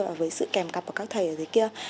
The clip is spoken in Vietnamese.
và với sự kèm cặp của các thầy ở thế kia